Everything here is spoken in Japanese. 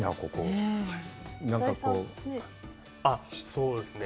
そうですね。